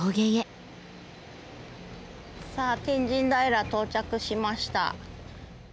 さあ天神平到着しました。